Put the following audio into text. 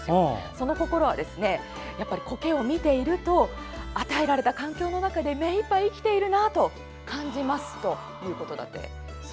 その心はコケを見ていると与えられた環境の中で目いっぱい生きているなと感じますと。